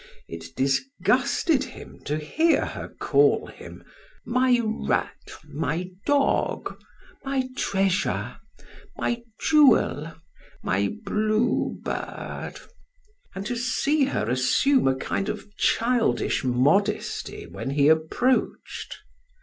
It disgusted him to hear her call him: "My rat my dog my treasure my jewel my blue bird" and to see her assume a kind of childish modesty when he approached.